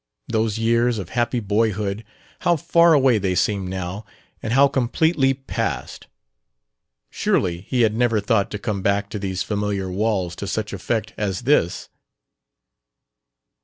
Those years of happy boyhood how far away they seemed now, and how completely past! Surely he had never thought to come back to these familiar walls to such effect as this....